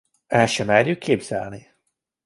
El se merjük képzelni!